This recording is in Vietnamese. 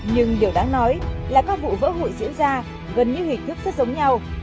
nhưng điều đáng nói là các vụ vỡ hụi diễn ra gần như hình thức rất giống nhau